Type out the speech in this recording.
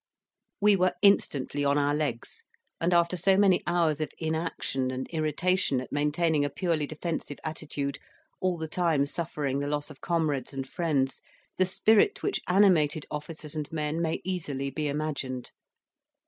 We were instantly on our legs, and after so many hours of inaction and irritation at maintaining a purely defensive attitude all the time suffering the loss of comrades and friends the spirit which animated officers and men may easily be imagined.